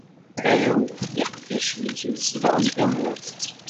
Arraw n iqeddacen-ik ad zedɣen tamurt.